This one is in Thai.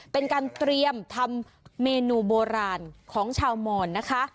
เป็นการเตรียมทำเมนูโบราณของชาวมอนนะคะ